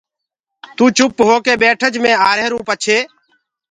تو چُپ هوڪي ٻيٺج مي آهيروٚ پڇي